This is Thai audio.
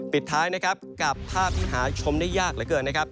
ปิดท้ายนะครับกับภาพที่หาชมได้ยากเหลือเกินนะครับ